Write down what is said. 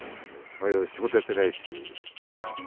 仕事やってないし。